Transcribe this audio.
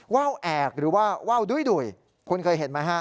ว่าวแอกหรือว่าว่าวดุ้ยคุณเคยเห็นไหมฮะ